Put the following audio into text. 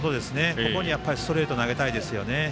ここに、ストレート投げたいですよね。